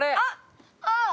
あっ！